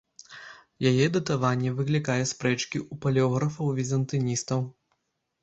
Яе датаванне выклікае спрэчкі ў палеографаў-візантыністаў.